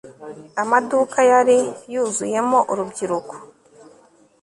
Amaduka yari yuzuyemo urubyiruko